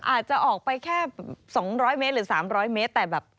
อาจจะออกไปแค่๒๐๐เมตรหรือ๓๐๐เมตรแต่แบบ